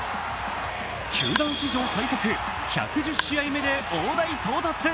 球団史上最速、１１０試合目で大台到達。